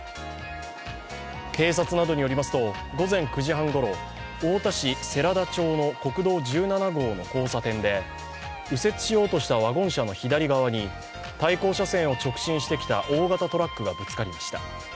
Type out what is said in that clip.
警察などによりますと、午前９時半ごろ、太田市世良田町の国道１７号の交差点で右折しようとしたワゴン車の左側に対向車線を直進してきた大型トラックがぶつかりました。